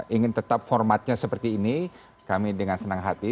ingin tetap formatnya seperti ini kami dengan senang hati